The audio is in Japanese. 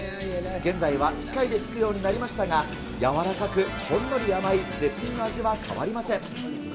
現在は機械でつくようになりましたが、柔らかくほんのり甘い絶品の味は変わりません。